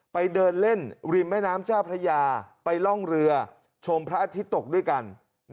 ไปเดินเล่นริมแม่น้ำเจ้าพระยาไปล่องเรือชมพระอาทิตย์ตกด้วยกัน